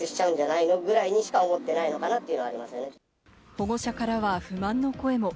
保護者からは不満の声も。